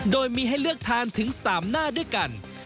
โดยมีให้เลือกทานถึง๓หน้าด้วยกัน